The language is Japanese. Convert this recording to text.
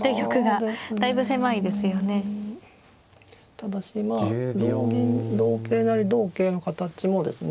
ただしまあ同銀同桂成同桂の形もですね